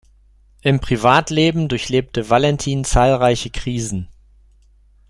Im Privatleben durchlebte Valentin zahlreiche Krisen.